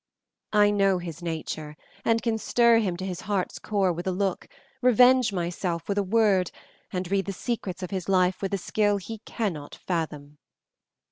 I know his nature, and can stir him to his heart's core with a look, revenge myself with a word, and read the secrets of his life with a skill he cannot fathom."